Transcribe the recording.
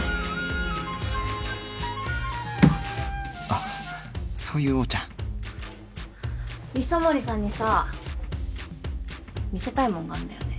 あっそういうお茶磯森さんにさ見せたいもんがあんだよね。